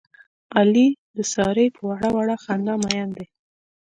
علي د سارې په وړه وړه خندا مین دی.